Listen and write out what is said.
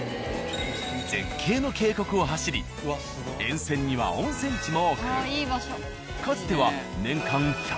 絶景の渓谷を走り沿線には温泉地も多くかつては。